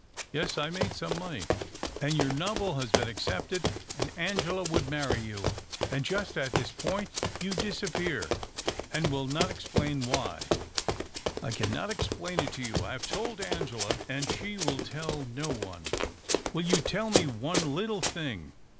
" Yes, I made some money." "And your novel has been accepted, and Angela would marry you. And just at this THE OCTAVE OP CLAUDIUS. 291 point you disappear, and will not explain why." " I cannot explain it to you. I have told Angela, and she will tell no one." " Will you tell me one little thing?